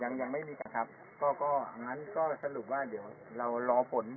ยังยังไม่มีการครับก็ก็งั้นก็สรุปว่าเดี๋ยวเรารอผล